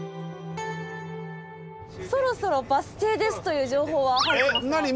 「そろそろバス停です」という情報は入ってますが。